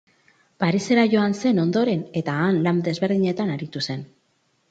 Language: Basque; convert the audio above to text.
Parisera joan zen ondoren eta han lan desberdinetan aritu zen.